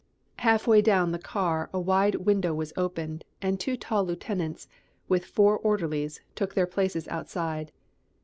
Halfway down the car a wide window was opened, and two tall lieutenants, with four orderlies, took their places outside.